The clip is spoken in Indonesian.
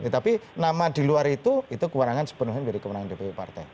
tapi nama di luar itu itu kekurangan sepenuhnya dari kemenangan dpp partai